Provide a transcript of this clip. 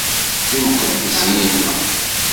D imqeddes i yella!